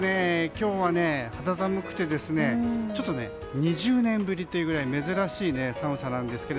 今日は肌寒くて、ちょっと２０年ぶりというぐらい珍しい寒さなんですが。